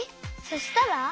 そしたら？